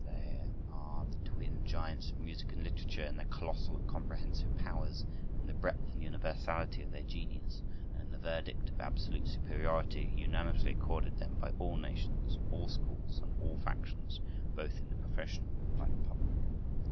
They are the twin giants of music and literature in their colossal and comprehensive powers, in the breadth and universality of their genius, and in the verdict of absolute superiority unanimously accorded them by all nations, all schools, and all factions, both in the profession and by the public.